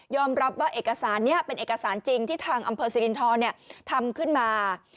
รับว่าเอกสารนี้เป็นเอกสารจริงที่ทางอำเภอสิรินทรทำขึ้นมา